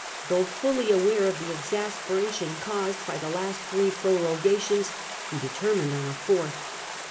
Though fully aware of the exasperation caused by the last three prorogations, he de termined on a fourth.